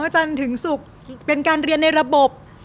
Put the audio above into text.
จันทร์ถึงศุกร์เป็นการเรียนในระบบ